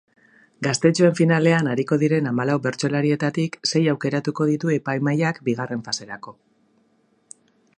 Gaztetxoen finalean ariko diren hamalau bertsolarietatik sei aukeratuko ditu epaimahaiak bigarren faserako.